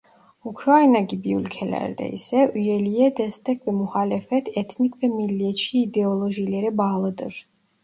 Ukrayna gibi ülkelerde ise üyeliğe destek ve muhalefet etnik ve milliyetçi ideolojilere bağlıdır.